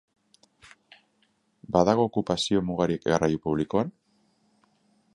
Badago okupazio-mugarik garraio publikoan?